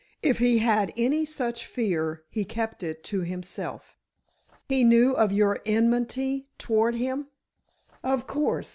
If he had any such fear, he kept it to himself." "He knew of your enmity toward him?" "Of course.